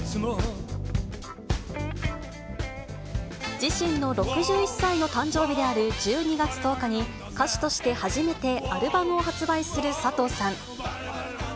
自身の６１歳の誕生日である１２月１０日に、歌手として初めてアルバムを発売する佐藤さん。